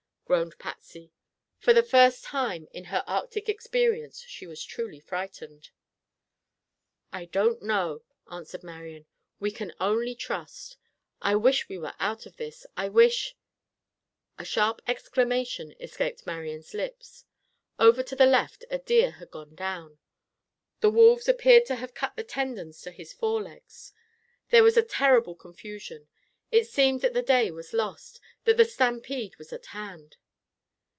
groaned Patsy. For the first time in her Arctic experience she was truly frightened. "I don't know," answered Marian. "We can only trust. I wish we were out of this. I wish—" A sharp exclamation escaped Marian's lips. Over to the left a deer had gone down. The wolves appeared to have cut the tendons to his forelegs. There was terrible confusion. It seemed that the day was lost, that the stampede was at hand.